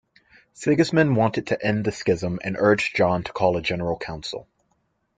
Sigismund wanted to end the schism and urged John to call a general council.